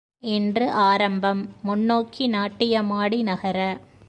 இன்று ஆரம்பம், முன்னோக்கி நாட்டியமாடி நகர.